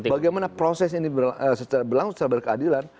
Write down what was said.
bagaimana proses ini berlangsung secara berkeadilan